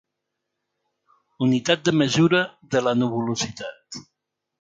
Unitat de mesura de la nuvolositat.